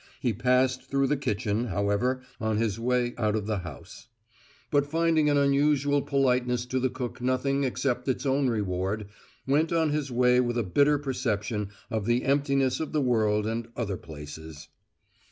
He passed through the kitchen, however, on his way out of the house; but, finding an unusual politeness to the cook nothing except its own reward, went on his way with a bitter perception of the emptiness of the world and other places.